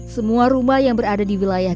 semua rumah yang berada di wilayah